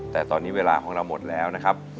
แต่ตอนนี้เวลาของเราหมดแล้วนะครับ